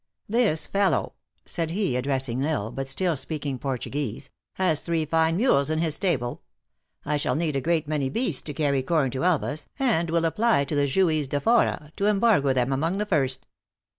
"This fellow," said he, addressing L lsle, but still speaking Portuguese, " has three line mules in his stable. I shall need a great many beasts to carry corn to Elvas, and will apply to the Juiz de Fora to embargo them among the first."